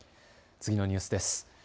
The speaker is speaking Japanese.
次のニュースです。